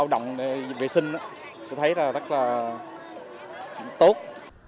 tôi thấy là rất là tốt